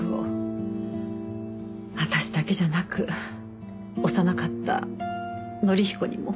私だけじゃなく幼かった則彦にも。